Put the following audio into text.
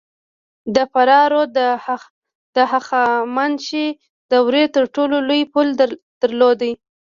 د فراه رود د هخامنشي دورې تر ټولو لوی پل درلود